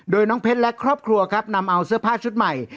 โดยน้องเพชรและครอบครัวครับนำเอาเสื้อผ้าชุดใหม่